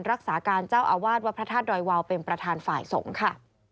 รักษาการเจ้าอาวาสวัดพระธาตุดอยวาวเป็นประธานฝ่ายสงฆ์ค่ะ